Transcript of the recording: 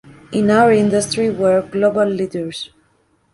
In our industry, we are global leaders.